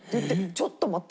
「ちょっと待って！